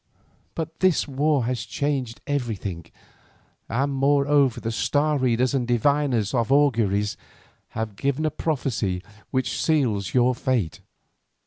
But this war has changed everything, and moreover the star readers and diviners of auguries have given a prophecy which seals your fate.